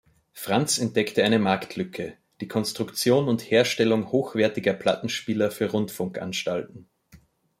Franz entdeckte eine Marktlücke: Die Konstruktion und Herstellung hochwertiger Plattenspieler für Rundfunkanstalten.